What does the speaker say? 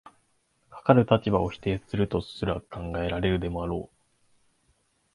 かかる立場を否定するとすら考えられるでもあろう。